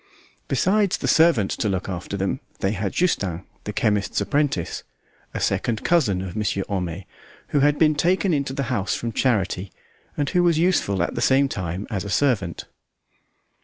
Besides the servant to look after them, they had Justin, the chemist's apprentice, a second cousin of Monsieur Homais, who had been taken into the house from charity, and who was useful at the same time as a servant.